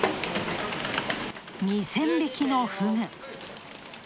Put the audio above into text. ２０００匹のふぐ。